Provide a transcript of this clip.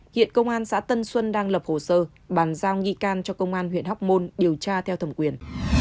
hiện công an xã tân xuân đang lập hồ sơ bàn giao nghi can cho công an huyện hóc môn điều tra theo thẩm quyền